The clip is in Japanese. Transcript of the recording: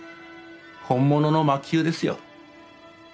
本物の魔宮ですよ。